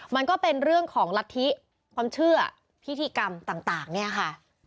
มันก็เป็นเรื่องของลัทธิความเชื่อพิธีกรรมต่างเนี่ยค่ะ